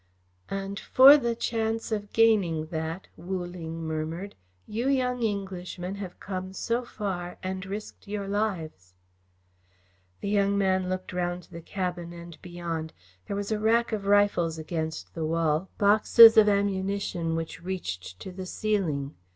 "And for the chance of gaining that," Wu Ling murmured, "you young Englishmen have come so far and risked your lives." The young man looked round the cabin and beyond. There was a rack of rifles against the wall, boxes of ammunition which reached to the ceiling.